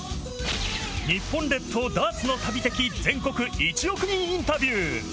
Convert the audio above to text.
日本列島ダーツの旅的全国１億人インタビュー。